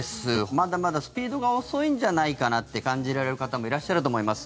まだまだスピードが遅いんじゃないかなって感じられる方もいらっしゃると思います。